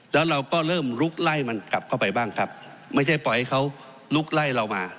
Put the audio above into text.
แล้วเราก็เริ่มลุกไล่มันกลับเข้าไปบ้างครับไม่ใช่ปล่อยให้เขาลุกไล่เรามา